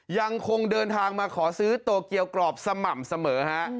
ยังคงเดินทางมาขอซื้อโตเกียวกรอบสม่ำเสมอฮะ